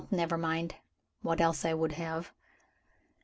never mind what else I would have.